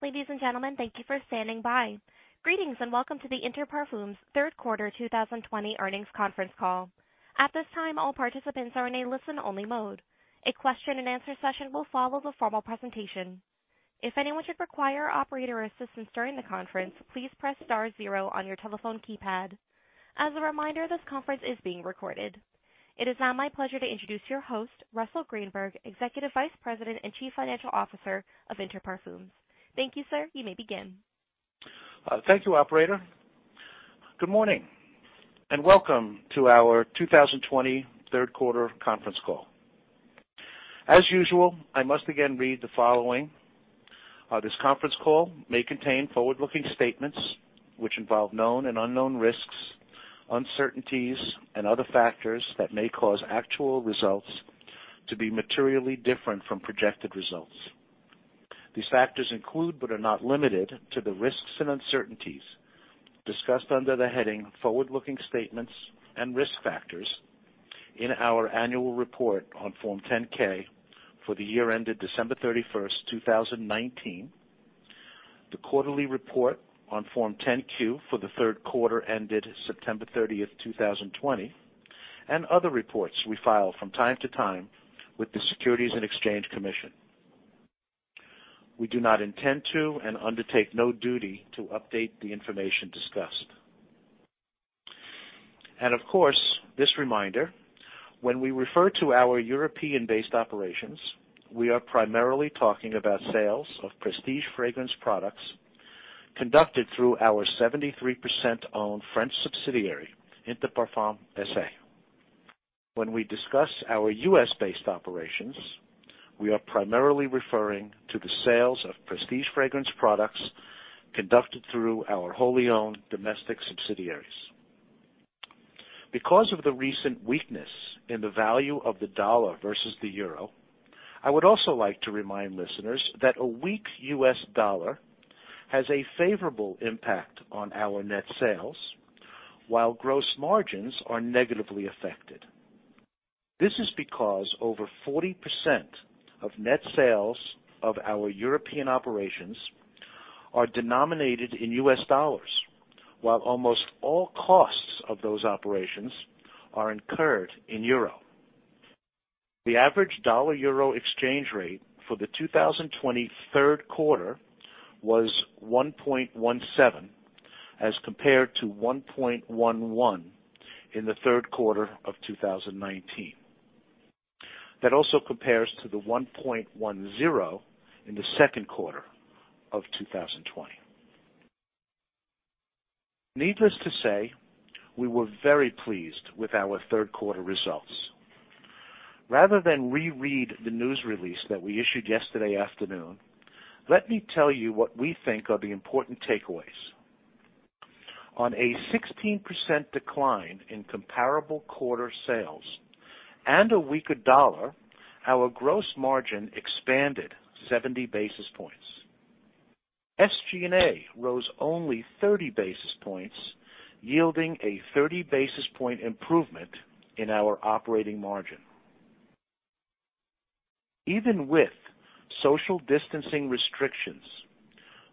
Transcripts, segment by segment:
Ladies and gentlemen, thank you for standing by. Greetings, and welcome to the Inter Parfums' third quarter 2020 earnings conference call. At this time, all participants are in a listen-only mode. A question and answer session will follow the formal presentation. If anyone should require our operator assistance during the conference, please press star zero on your telephone keypad. As a reminder, this conference is being recorded. It is now my pleasure to introduce your host, Russell Greenberg, Executive Vice President and Chief Financial Officer of Inter Parfums. Thank you, sir. You may begin. Thank you, operator. Good morning, and welcome to our 2020 third quarter conference call. As usual, I must again read the following. This conference call may contain forward-looking statements, which involve known and unknown risks, uncertainties, and other factors that may cause actual results to be materially different from projected results. These factors include, but are not limited to, the risks and uncertainties discussed under the heading Forward-Looking Statements and Risk Factors in our annual report on Form 10-K for the year ended December 31st, 2019, the quarterly report on Form 10-Q for the third quarter ended September 30th, 2020, and other reports we file from time to time with the Securities and Exchange Commission. We do not intend to and undertake no duty to update the information discussed. Of course, this reminder, when we refer to our European-based operations, we are primarily talking about sales of prestige fragrance products conducted through our 73% owned French subsidiary, Inter Parfums SA. When we discuss our U.S.-based operations, we are primarily referring to the sales of prestige fragrance products conducted through our wholly owned domestic subsidiaries. Because of the recent weakness in the value of the U.S. dollar versus the euro, I would also like to remind listeners that a weak U.S. dollar has a favorable impact on our net sales, while gross margins are negatively affected. This is because over 40% of net sales of our European operations are denominated in U.S. dollars, while almost all costs of those operations are incurred in euro. The average dollar-euro exchange rate for the 2020 third quarter was 1.17 as compared to 1.11 in the third quarter of 2019. That also compares to the 1.10 in the second quarter of 2020. Needless to say, we were very pleased with our third quarter results. Rather than reread the news release that we issued yesterday afternoon, let me tell you what we think are the important takeaways. On a 16% decline in comparable quarter sales and a weaker dollar, our gross margin expanded 70 basis points. SG&A rose only 30 basis points, yielding a 30 basis point improvement in our operating margin. Even with social distancing restrictions,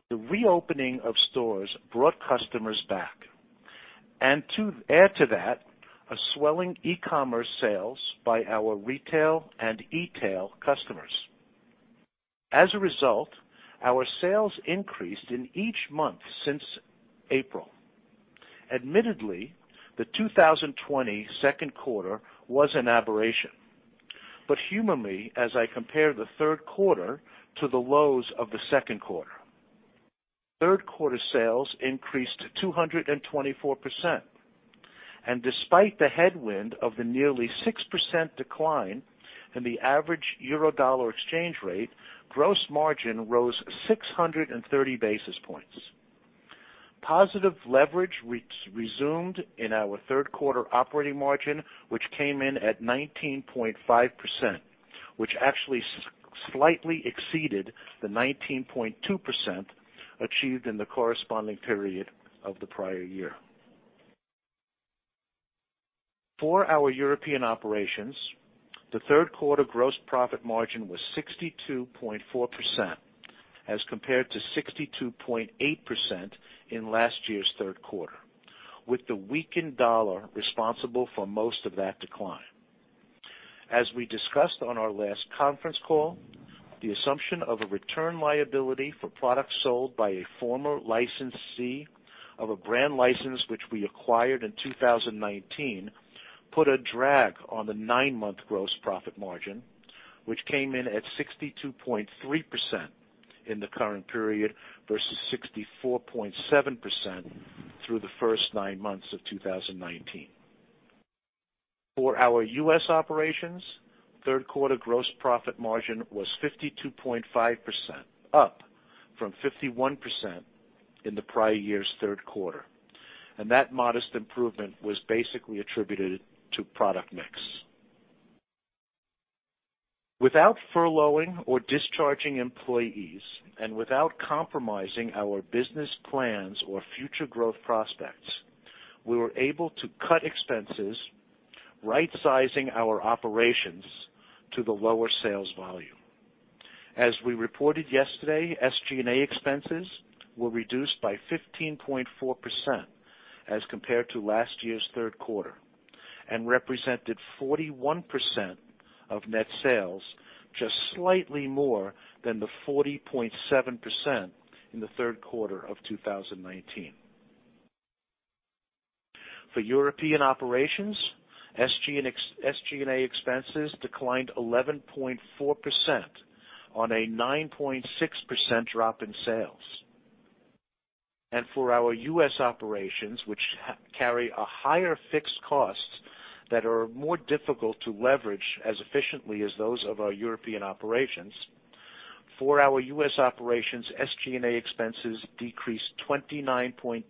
the reopening of stores brought customers back. To add to that, a swelling e-commerce sales by our retail and e-tail customers. As a result, our sales increased in each month since April. Admittedly, the 2020 second quarter was an aberration. Humanly, as I compare the third quarter to the lows of the second quarter, third quarter sales increased 224%. Despite the headwind of the nearly 6% decline in the average euro-dollar exchange rate, gross margin rose 630 basis points. Positive leverage resumed in our third quarter operating margin, which came in at 19.5%, which actually slightly exceeded the 19.2% achieved in the corresponding period of the prior year. For our European operations, the third quarter gross profit margin was 62.4% as compared to 62.8% in last year's third quarter, with the weakened dollar responsible for most of that decline. As we discussed on our last conference call, the assumption of a return liability for products sold by a former licensee of a brand license which we acquired in 2019, put a drag on the nine-month gross profit margin, which came in at 62.3% in the current period versus 64.7% through the first nine months of 2019. For our U.S. operations, third quarter gross profit margin was 52.5%, up from 51% in the prior year's third quarter. That modest improvement was basically attributed to product mix. Without furloughing or discharging employees and without compromising our business plans or future growth prospects, we were able to cut expenses right-sizing our operations to the lower sales volume. As we reported yesterday, SG&A expenses were reduced by 15.4% as compared to last year's third quarter, and represented 41% of net sales, just slightly more than the 40.7% in the third quarter of 2019. For European operations, SG&A expenses declined 11.4% on a 9.6% drop in sales. For our U.S. operations, which carry higher fixed costs that are more difficult to leverage as efficiently as those of our European operations, for our U.S. operations, SG&A expenses decreased 29.2%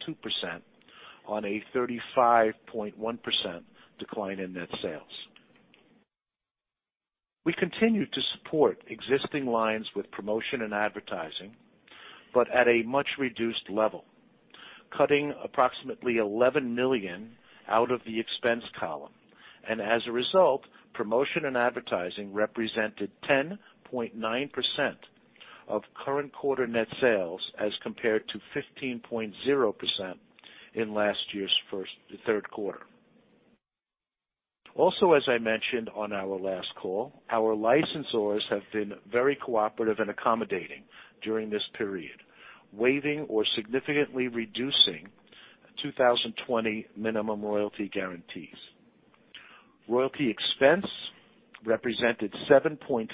on a 35.1% decline in net sales. We continue to support existing lines with promotion and advertising, but at a much reduced level, cutting approximately $11 million out of the expense column. As a result, promotion and advertising represented 10.9% of current quarter net sales as compared to 15.0% in last year's third quarter. Also, as I mentioned on our last call, our licensors have been very cooperative and accommodating during this period, waiving or significantly reducing 2020 minimum royalty guarantees. Royalty expense represented 7.3%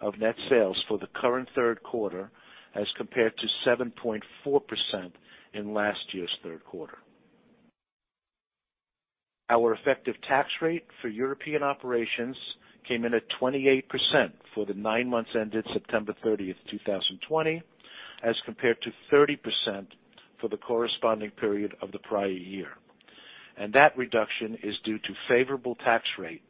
of net sales for the current third quarter, as compared to 7.4% in last year's third quarter. Our effective tax rate for European operations came in at 28% for the nine months ended September 30, 2020, as compared to 30% for the corresponding period of the prior year. That reduction is due to favorable tax rates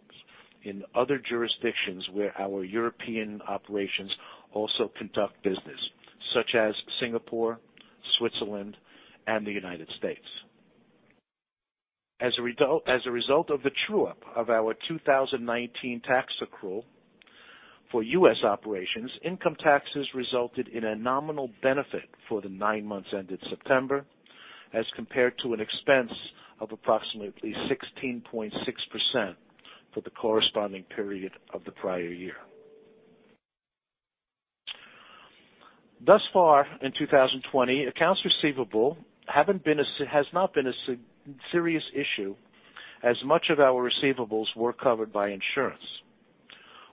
in other jurisdictions where our European operations also conduct business, such as Singapore, Switzerland, and the United States. As a result of the true-up of our 2019 tax accrual for U.S. operations, income taxes resulted in a nominal benefit for the nine months ended September, as compared to an expense of approximately 16.6% for the corresponding period of the prior year. Thus far in 2020, accounts receivable has not been a serious issue as much of our receivables were covered by insurance.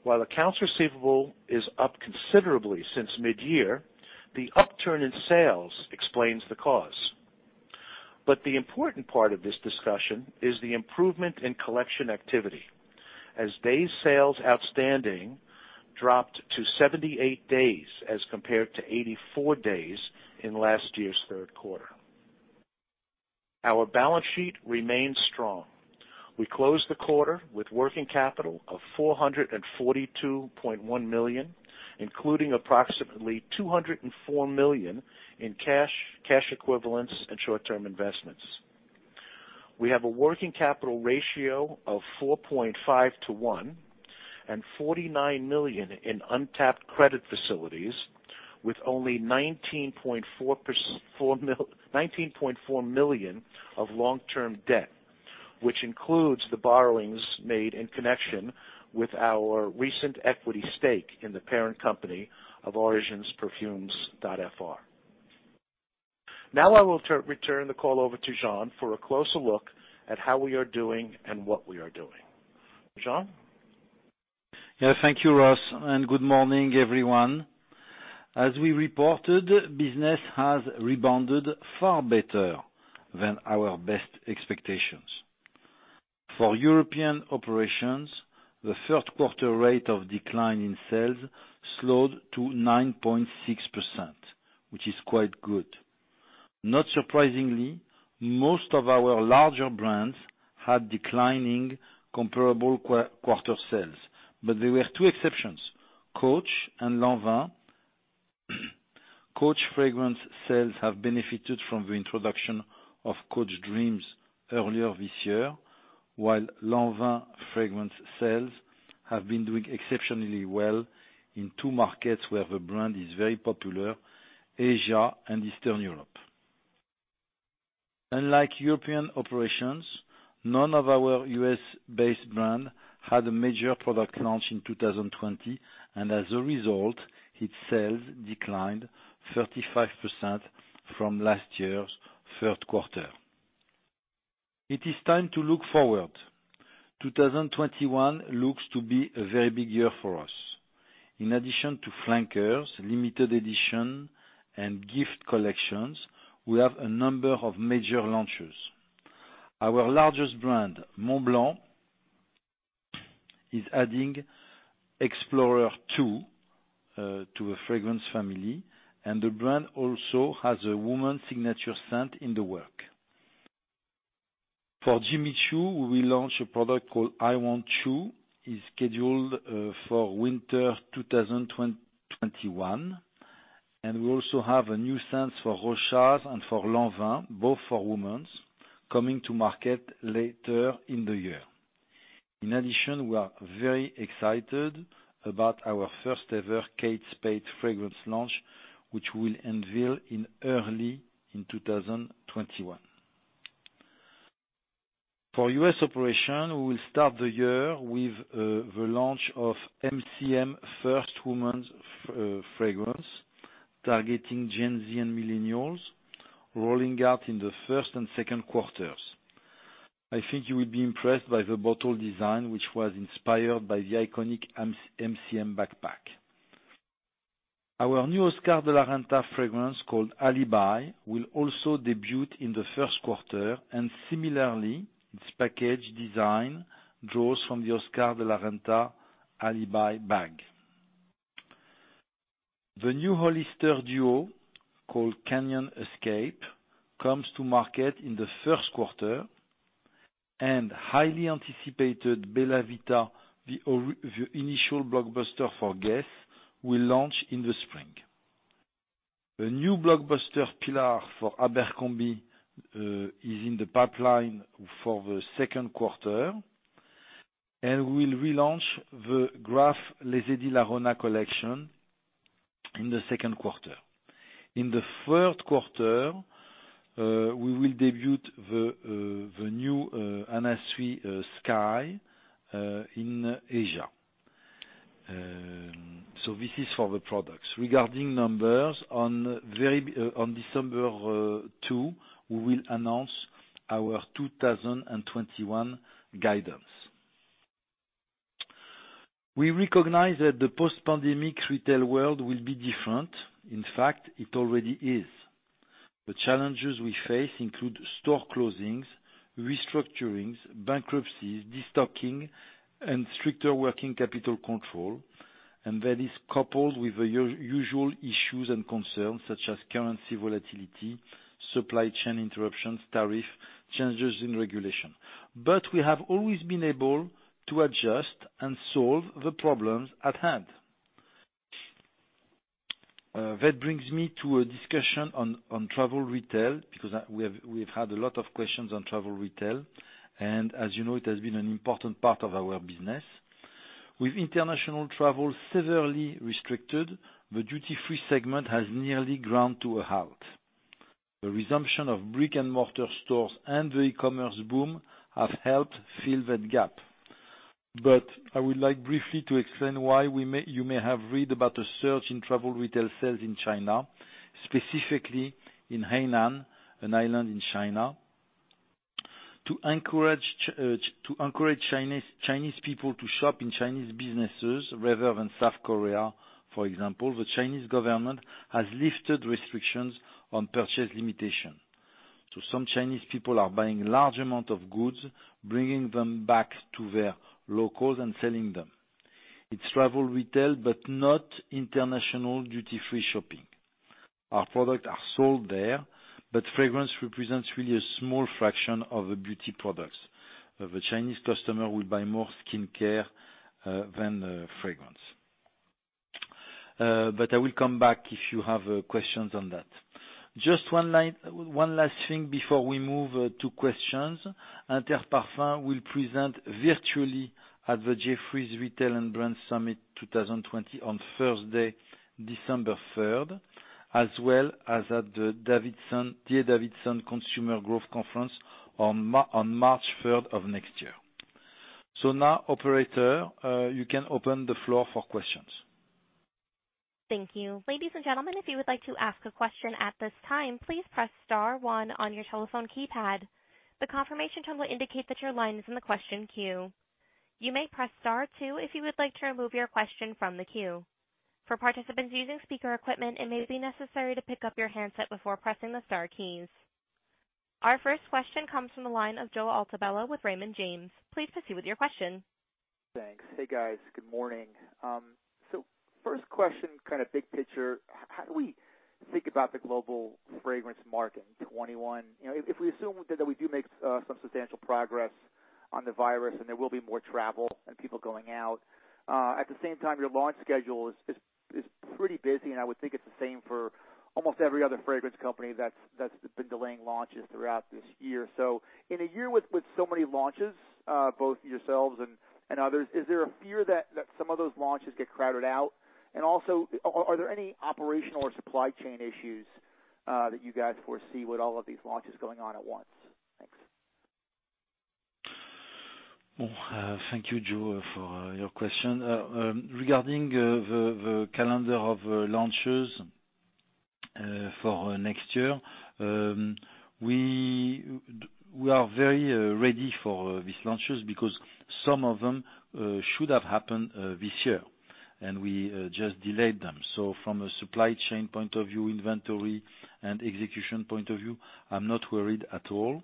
While accounts receivable is up considerably since mid-year, the upturn in sales explains the cause. The important part of this discussion is the improvement in collection activity, as days sales outstanding dropped to 78 days as compared to 84 days in last year's third quarter. Our balance sheet remains strong. We closed the quarter with working capital of $442.1 million, including approximately $204 million in cash equivalents, and short-term investments. We have a working capital ratio of 4.5 to 1, and $49 million in untapped credit facilities with only $19.4 million of long-term debt, which includes the borrowings made in connection with our recent equity stake in the parent company of origines-parfums.fr. I will return the call over to Jean for a closer look at how we are doing and what we are doing. Jean? Thank you, Russ, and good morning, everyone. As we reported, business has rebounded far better than our best expectations. For European operations, the third quarter rate of decline in sales slowed to 9.6%, which is quite good. Not surprisingly, most of our larger brands had declining comparable quarter sales, but there were two exceptions, Coach and Lanvin. Coach fragrance sales have benefited from the introduction of Coach Dreams earlier this year, while Lanvin fragrance sales have been doing exceptionally well in two markets where the brand is very popular, Asia and Eastern Europe. Unlike European operations, none of our U.S.-based brands had a major product launch in 2020, and as a result, its sales declined 35% from last year's third quarter. It is time to look forward. 2021 looks to be a very big year for us. In addition to flankers, limited edition, and gift collections, we have a number of major launches. Our largest brand, Montblanc, is adding Explorer Ultra Blue to a fragrance family, and the brand also has a women's signature scent in the works. For Jimmy Choo, we will launch a product called I Want Choo, is scheduled for winter 2021. We also have a new scent for Rochas and for Lanvin, both for women, coming to market later in the year. In addition, we are very excited about our first-ever Kate Spade fragrance launch, which will unveil early in 2021. For U.S. operation, we will start the year with the launch of MCM first women's fragrance targeting Gen Z and millennials, rolling out in the first and second quarters. I think you will be impressed by the bottle design, which was inspired by the iconic MCM backpack. Our new Oscar de la Renta fragrance called Alibi will also debut in the first quarter. Similarly, its package design draws from the Oscar de la Renta Alibi bag. The new Hollister duo, called Canyon Escape, comes to market in the first quarter. Highly anticipated Bella Vita, the initial blockbuster for Guess, will launch in the spring. The new blockbuster pillar for Abercrombie is in the pipeline for the second quarter. We'll relaunch the Graff Les Eaux de la Rivière collection in the second quarter. In the third quarter, we will debut the new Anna Sui Sky in Asia. This is for the products. Regarding numbers, on December 2, we will announce our 2021 guidance. We recognize that the post-pandemic retail world will be different. In fact, it already is. The challenges we face include store closings, restructurings, bankruptcies, destocking, and stricter working capital control. That is coupled with the usual issues and concerns such as currency volatility, supply chain interruptions, tariff, changes in regulation. We have always been able to adjust and solve the problems at hand. That brings me to a discussion on travel retail, because we've had a lot of questions on travel retail. As you know, it has been an important part of our business. With international travel severely restricted, the duty-free segment has nearly ground to a halt. The resumption of brick-and-mortar stores and the e-commerce boom have helped fill that gap. I would like briefly to explain why you may have read about a surge in travel retail sales in China, specifically in Hainan, an island in China. To encourage Chinese people to shop in Chinese businesses rather than South Korea, for example, the Chinese government has lifted restrictions on purchase limitation. Some Chinese people are buying large amount of goods, bringing them back to their locals and selling them. It's travel retail, but not international duty-free shopping. Our products are sold there, but fragrance represents really a small fraction of the beauty products. The Chinese customer will buy more skincare than fragrance. I will come back if you have questions on that. Just one last thing before we move to questions. Inter Parfums will present virtually at the Jefferies Retail & Brand Summit 2020 on Thursday, December 3rd, as well as at the D.A. Davidson Consumer Growth Conference on March 3rd of next year. Now, operator, you can open the floor for questions. Thank you. Ladies and gentlemen, if you would like to ask a question at this time, please press star one on your telephone keypad. The confirmation tone will indicate that your line is in the question queue. You may press star two if you would like to remove your question from the queue. For participants using speaker equipment, it may be necessary to pick up your handset before pressing the star keys. Our first question comes from the line of Joseph Altobello with Raymond James. Please proceed with your question. Thanks. Hey, guys. Good morning. First question, kind of big picture, how do we think about the global fragrance market in 2021? If we assume that we do make some substantial progress on the virus and there will be more travel and people going out, at the same time, your launch schedule is pretty busy, and I would think it's the same for almost every other fragrance company that's been delaying launches throughout this year. In a year with so many launches, both yourselves and others, is there a fear that some of those launches get crowded out? Also, are there any operational or supply chain issues that you guys foresee with all of these launches going on at once? Thanks. Thank you, Joe, for your question. Regarding the calendar of launches for next year, we are very ready for these launches because some of them should have happened this year, and we just delayed them. From a supply chain point of view, inventory and execution point of view, I'm not worried at all.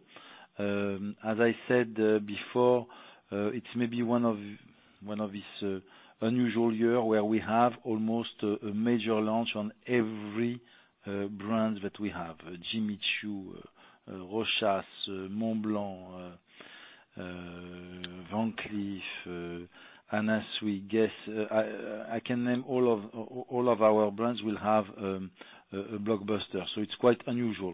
As I said before, it's maybe one of this unusual year where we have almost a major launch on every brand that we have, Jimmy Choo, Rochas, Montblanc, Van Cleef & Arpels, and Guess. I can name all of our brands will have a blockbuster. It's quite unusual.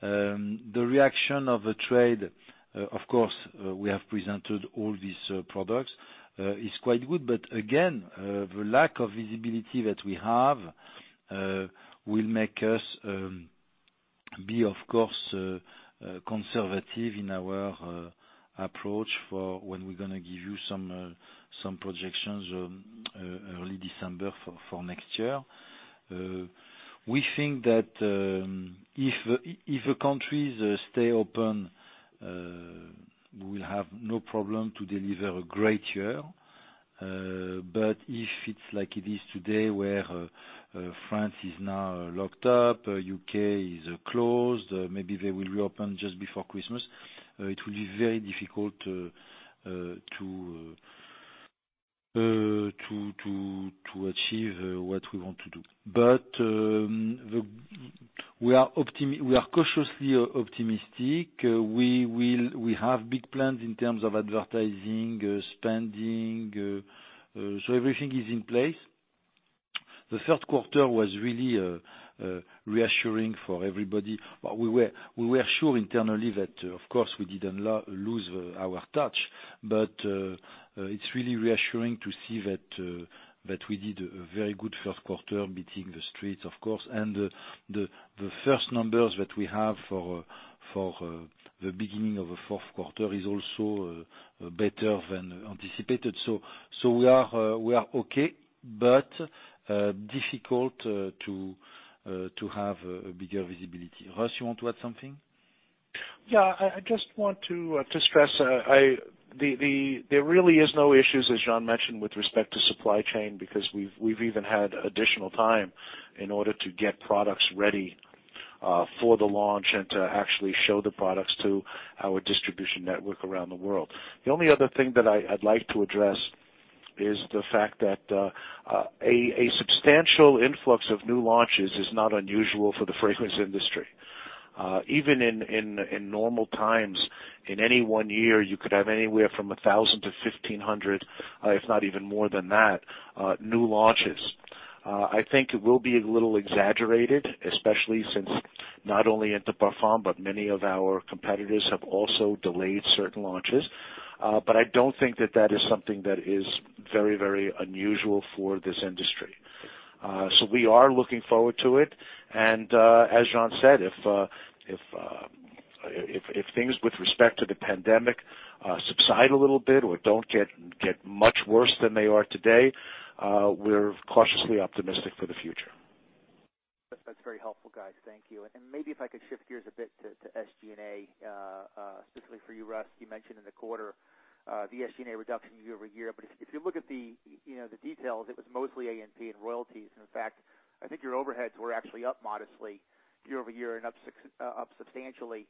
The reaction of the trade, of course, we have presented all these products, is quite good. Again, the lack of visibility that we have will make us be, of course, conservative in our approach for when we're going to give you some projections early December for next year. We think that if the countries stay open, we'll have no problem to deliver a great year. If it's like it is today, where France is now locked up, U.K. is closed, maybe they will reopen just before Christmas, it will be very difficult to achieve what we want to do. We are cautiously optimistic. We have big plans in terms of advertising spending. Everything is in place. The third quarter was really reassuring for everybody. We were sure internally that, of course, we didn't lose our touch, but it's really reassuring to see that we did a very good first quarter, beating the Street, of course. The first numbers that we have for the beginning of the fourth quarter is also better than anticipated. We are okay, but difficult to have a bigger visibility. Russ, you want to add something? I just want to stress, there really is no issues, as Jean mentioned, with respect to supply chain, because we've even had additional time in order to get products ready for the launch and to actually show the products to our distribution network around the world. The only other thing that I'd like to address is the fact that a substantial influx of new launches is not unusual for the fragrance industry. Even in normal times, in any one year, you could have anywhere from 1,000 to 1,500, if not even more than that, new launches. I think it will be a little exaggerated, especially since not only Inter Parfums, but many of our competitors have also delayed certain launches. I don't think that that is something that is very unusual for this industry. We are looking forward to it, and, as Jean said, if things with respect to the pandemic subside a little bit or don't get much worse than they are today, we're cautiously optimistic for the future. That's very helpful, guys. Thank you. Maybe if I could shift gears a bit to SG&A, specifically for you, Russ. You mentioned in the quarter the SG&A reduction year-over-year, but if you look at the details, it was mostly A&P and royalties. In fact, I think your overheads were actually up modestly year-over-year and up substantially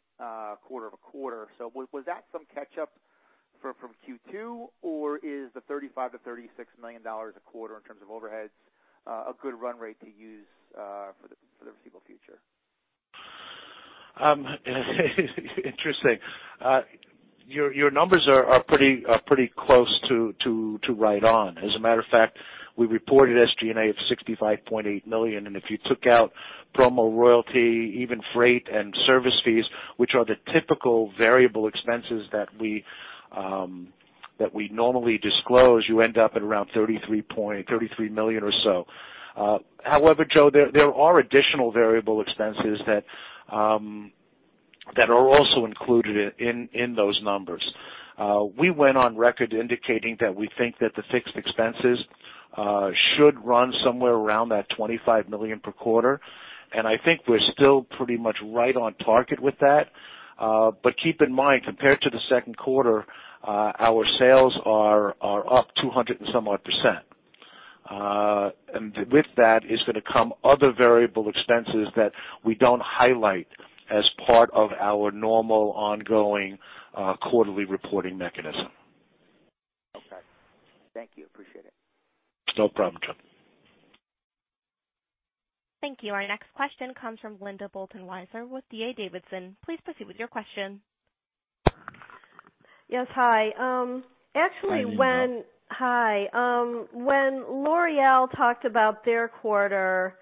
quarter-over-quarter. Was that some catch up from Q2, or is the EUR 35 million-EUR 36 million a quarter in terms of overheads a good run rate to use for the foreseeable future? Interesting. Your numbers are pretty close to right on. As a matter of fact, we reported SG&A of 65.8 million, and if you took out promo royalty, even freight and service fees, which are the typical variable expenses that we normally disclose, you end up at around 33 million or so. However, Joe, there are additional variable expenses that are also included in those numbers. We went on record indicating that we think that the fixed expenses should run somewhere around that 25 million per quarter, and I think we're still pretty much right on target with that. Keep in mind, compared to the second quarter, our sales are up 200 and somewhat %. With that is going to come other variable expenses that we don't highlight as part of our normal ongoing quarterly reporting mechanism. Okay. Thank you. Appreciate it. No problem, Joe. Thank you. Our next question comes from Linda Bolton-Weiser with D.A. Davidson. Please proceed with your question. Hi, Linda. Yes. Hi. When L'Oréal talked about their quarter,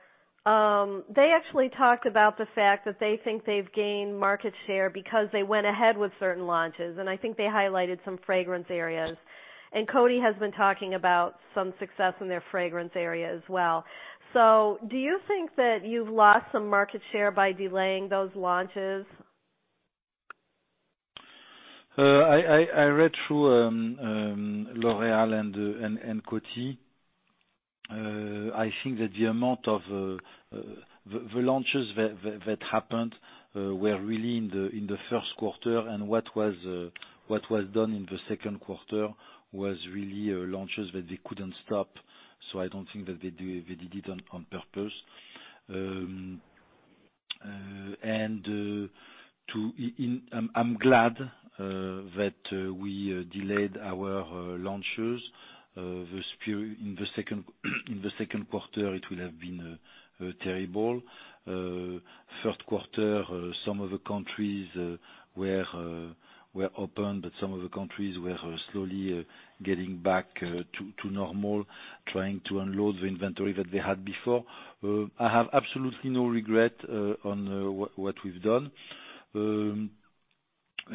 they actually talked about the fact that they think they've gained market share because they went ahead with certain launches, and I think they highlighted some fragrance areas. Coty has been talking about some success in their fragrance area as well. Do you think that you've lost some market share by delaying those launches? I read through L'Oréal and Coty. I think that the amount of the launches that happened were really in the first quarter, and what was done in the second quarter was really launches that they couldn't stop. I don't think that they did it on purpose. I'm glad that we delayed our launches. In the second quarter, it would have been terrible. Third quarter, some of the countries were open, but some of the countries were slowly getting back to normal, trying to unload the inventory that they had before. I have absolutely no regret on what we've done.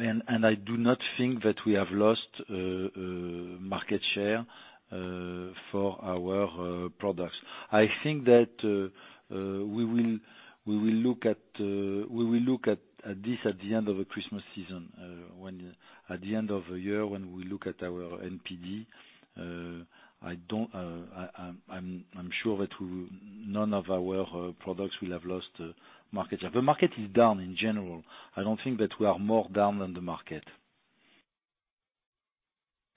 I do not think that we have lost market share for our products. I think that we will look at this at the end of the Christmas season. At the end of the year, when we look at our NPD, I'm sure that none of our products will have lost market share. The market is down in general. I don't think that we are more down than the market.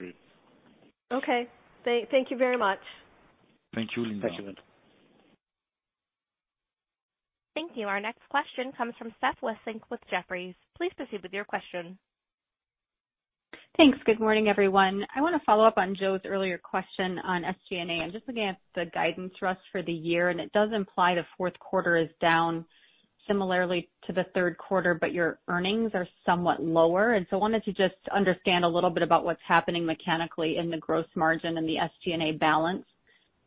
Great. Okay. Thank you very much. Thank you, Linda. Thank you. Thank you. Our next question comes from Steph Wissink with Jefferies. Please proceed with your question. Thanks. Good morning, everyone. I want to follow up on Joe's earlier question on SG&A. I'm just looking at the guidance for us for the year, it does imply the fourth quarter is down similarly to the third quarter, but your earnings are somewhat lower. So I wanted to just understand a little bit about what's happening mechanically in the gross margin and the SG&A balance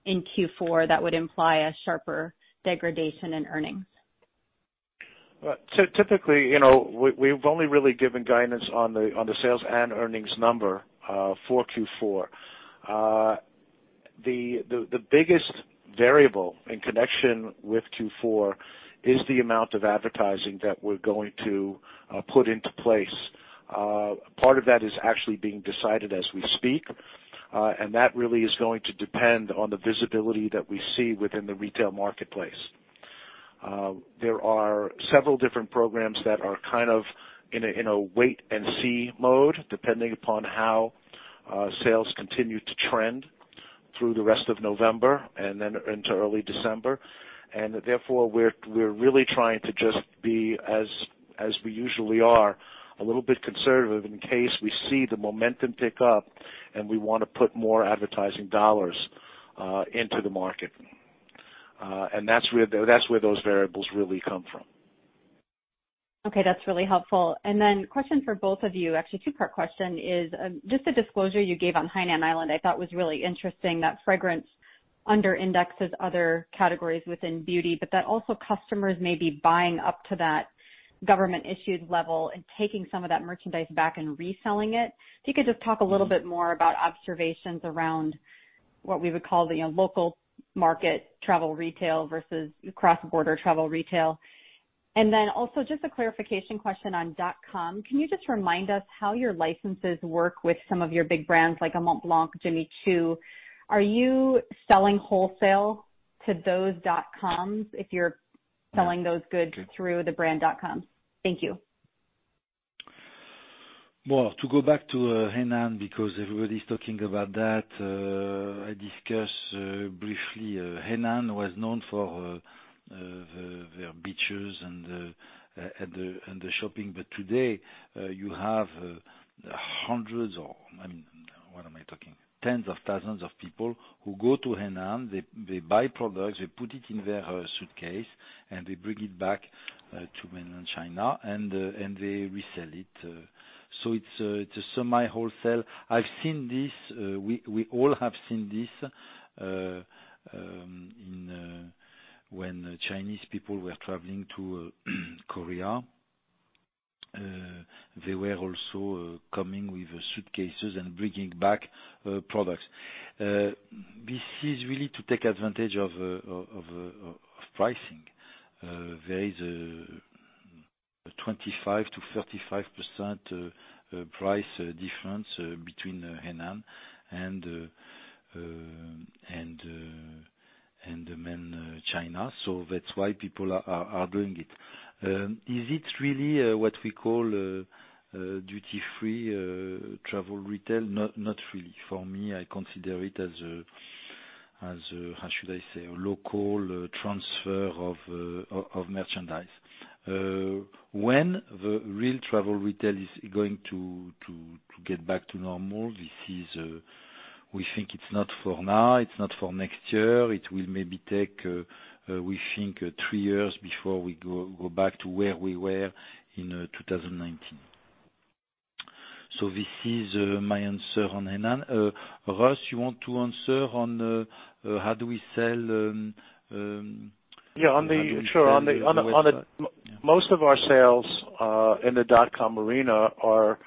in Q4 that would imply a sharper degradation in earnings. Typically, we've only really given guidance on the sales and earnings number for Q4. The biggest variable in connection with Q4 is the amount of advertising that we're going to put into place. Part of that is actually being decided as we speak, and that really is going to depend on the visibility that we see within the retail marketplace. There are several different programs that are in a wait and see mode, depending upon how sales continue to trend through the rest of November and then into early December. Therefore, we're really trying to just be, as we usually are, a little bit conservative in case we see the momentum pick up and we want to put more advertising dollars into the market. That's where those variables really come from. Okay, that's really helpful. Question for both of you. Actually, two-part question is, just the disclosure you gave on Hainan Island I thought was really interesting, that fragrance under-indexes other categories within beauty, but that also customers may be buying up to that government-issued level and taking some of that merchandise back and reselling it. If you could just talk a little bit more about observations around what we would call the local market travel retail versus cross-border travel retail. Also just a clarification question on dot-com. Can you just remind us how your licenses work with some of your big brands like Montblanc, Jimmy Choo? Are you selling wholesale to those dot-coms if you're selling those goods through the brand dot-com? Thank you. Well, to go back to Hainan, because everybody's talking about that. I discuss briefly, Hainan was known for their beaches and the shopping. Today, you have hundreds or tens of thousands of people who go to Hainan, they buy products, they put it in their suitcase, and they bring it back to mainland China, and they resell it. It's semi-wholesale. I've seen this. We all have seen this when Chinese people were traveling to Korea. They were also coming with suitcases and bringing back products. This is really to take advantage of pricing. There is a 25%-35% price difference between Hainan and mainland China, that's why people are doing it. Is it really what we call duty-free travel retail? Not really. For me, I consider it as a, how should I say, local transfer of merchandise. When the real travel retail is going to get back to normal, we think it's not for now, it's not for next year. It will maybe take, we think, three years before we go back to where we were in 2019. This is my answer on Hainan. Russ, you want to answer on how do we sell- Yeah. Most of our sales in the dot-com arena are,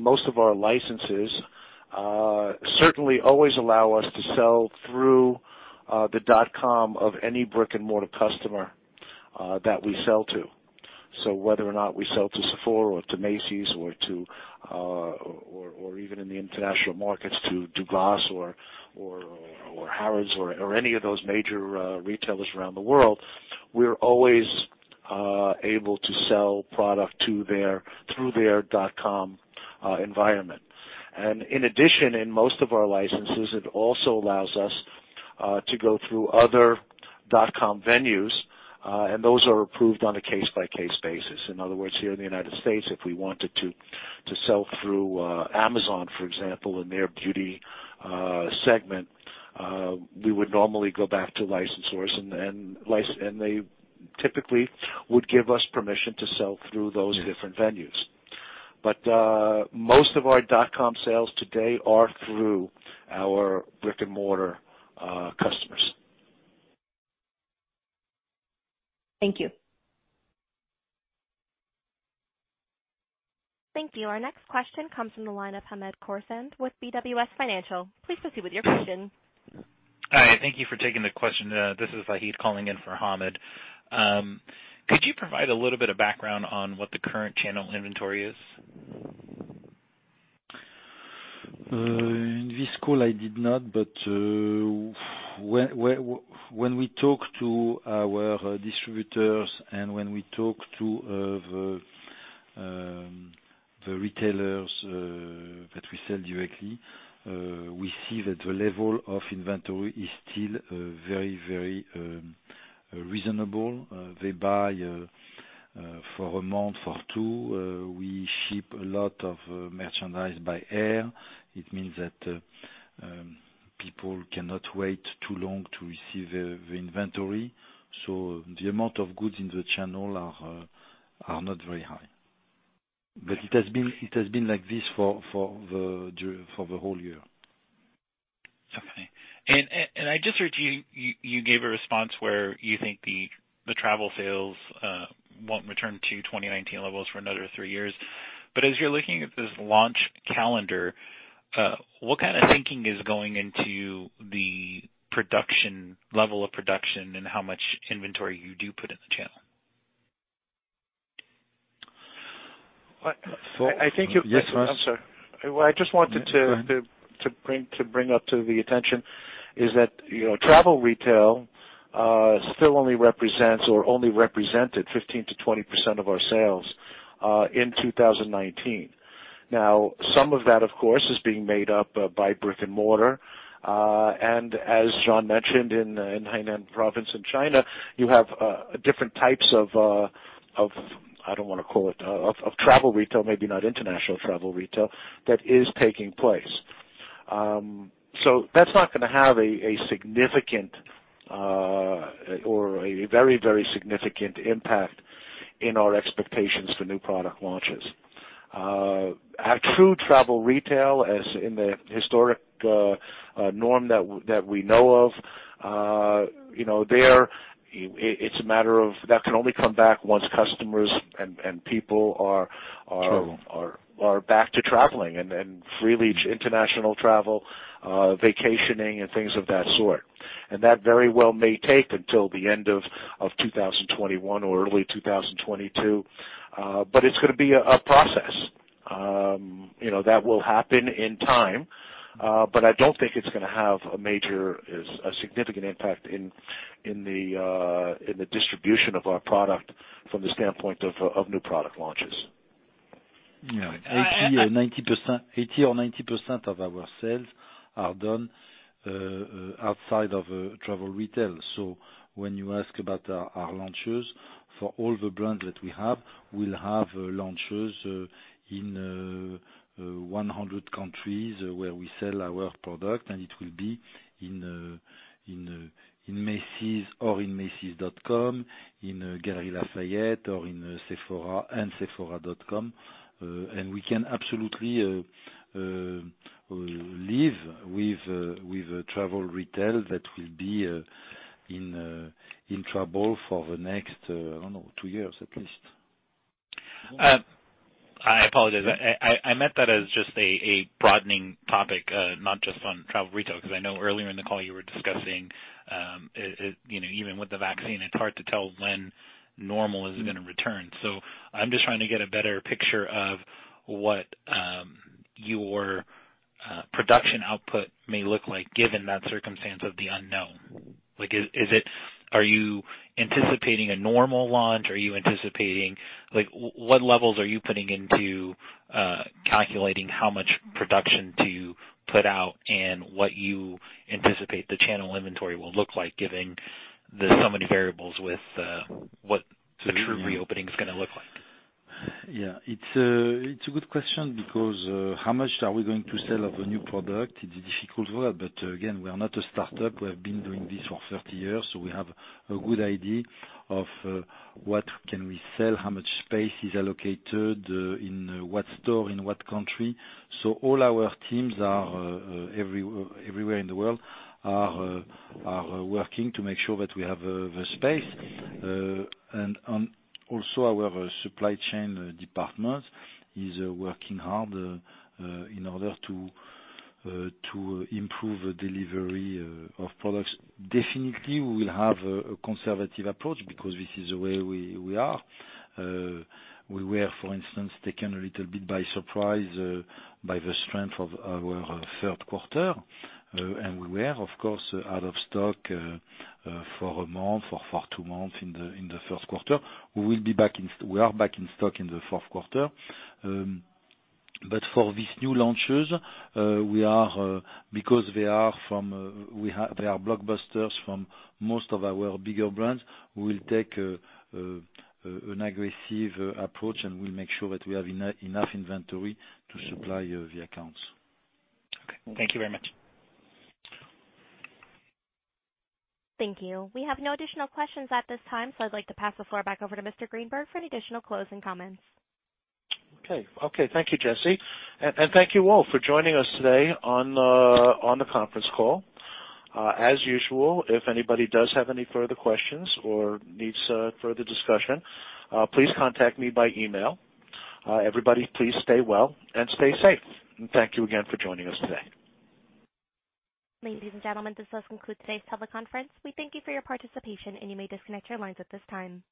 most of our licenses certainly always allow us to sell through the dot-com of any brick-and-mortar customer that we sell to. Whether or not we sell to Sephora or to Macy's or even in the international markets to Douglas or Harrods or any of those major retailers around the world, we're always able to sell product through their dot-com environment. In addition, in most of our licenses, it also allows us to go through other dot-com venues, and those are approved on a case-by-case basis. In other words, here in the U.S., if we wanted to sell through Amazon, for example, in their beauty segment, we would normally go back to licensors, and they typically would give us permission to sell through those different venues. Most of our .com sales today are through our brick-and-mortar customers. Thank you. Thank you. Our next question comes from the line of Hamed Khorsand with BWS Financial. Please proceed with your question. Hi. Thank you for taking the question. This is Wahid calling in for Hamed. Could you provide a little bit of background on what the current channel inventory is? In this call, I did not. When we talk to our distributors and when we talk to the retailers that we sell directly, we see that the level of inventory is still very reasonable. They buy for a month, for two. We ship a lot of merchandise by air. It means that people cannot wait too long to receive the inventory. The amount of goods in the channel are not very high. It has been like this for the whole year. Okay. I just heard you gave a response where you think the travel sales won't return to 2019 levels for another three years. As you're looking at this launch calendar, what kind of thinking is going into the level of production and how much inventory you do put in the channel? I think- Yes. I'm sorry. What I just wanted to- Go ahead bring up to the attention is that, travel retail still only represents or only represented 15%-20% of our sales in 2019. Now, some of that, of course, is being made up by brick-and-mortar. As Jean mentioned, in Hainan province in China, you have different types of, I don't want to call it of travel retail, maybe not international travel retail, that is taking place. That's not going to have a significant or a very, very significant impact in our expectations for new product launches. Our true travel retail, as in the historic norm that we know of, there, it's a matter of that can only come back once customers and people are- True back to traveling and freely international travel, vacationing, and things of that sort. That very well may take until the end of 2021 or early 2022. It's going to be a process. That will happen in time. I don't think it's going to have a major, a significant impact in the distribution of our product from the standpoint of new product launches. Yeah. 80% or 90% of our sales are done outside of travel retail. When you ask about our launches, for all the brands that we have, we'll have launches in 100 countries where we sell our product, and it will be in Macy's or in macys.com, in Galeries Lafayette or in Sephora and sephora.com. We can absolutely live with travel retail that will be in trouble for the next, I don't know, two years at least. I apologize. I meant that as just a broadening topic, not just on travel retail, because I know earlier in the call you were discussing, even with the vaccine, it's hard to tell when normal is going to return. I'm just trying to get a better picture of what your production output may look like given that circumstance of the unknown. Are you anticipating a normal launch? What levels are you putting into calculating how much production do you put out and what you anticipate the channel inventory will look like given the so many variables with what the true reopening is going to look like? Yeah. It's a good question because how much are we going to sell of a new product? It's difficult. Again, we are not a startup. We have been doing this for 30 years, we have a good idea of what can we sell, how much space is allocated, in what store, in what country. All our teams everywhere in the world are working to make sure that we have the space. Also our supply chain department is working hard in order to improve delivery of products. Definitely, we will have a conservative approach because this is the way we are. We were, for instance, taken a little bit by surprise by the strength of our third quarter. We were, of course, out of stock for a month or for two months in the first quarter. We are back in stock in the fourth quarter. For these new launches, because they are blockbusters from most of our bigger brands, we will take an aggressive approach, and we'll make sure that we have enough inventory to supply the accounts. Okay. Thank you very much. Thank you. We have no additional questions at this time. I'd like to pass the floor back over to Mr. Greenberg for any additional closing comments. Okay. Thank you, Jesse. Thank you all for joining us today on the conference call. As usual, if anybody does have any further questions or needs further discussion, please contact me by email. Everybody, please stay well and stay safe. Thank you again for joining us today. Ladies and gentlemen, this does conclude today's teleconference. We thank you for your participation, and you may disconnect your lines at this time.